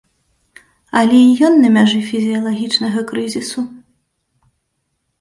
Але і ён на мяжы фізіялагічнага крызісу.